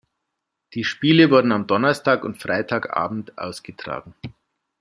Die Spiele wurden am Donnerstag- und Freitagabend ausgetragen.